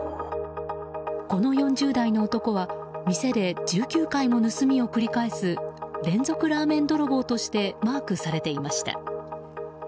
この４０代の男は店で１９回の盗みを繰り返す連続ラーメン泥棒としてマークされていました。